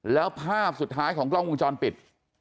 แล้วภาพสุดท้ายของกล้องวงจรปิด